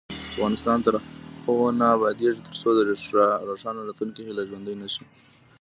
افغانستان تر هغو نه ابادیږي، ترڅو د روښانه راتلونکي هیله ژوندۍ نشي.